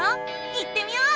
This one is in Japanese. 行ってみよう！